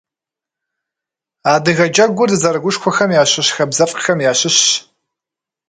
Адыгэ джэгур дызэрыгушхуэхэм ящыщ хабзэфӏхэм ящыщщ.